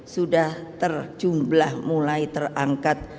sudah tercumlah mulai terangkat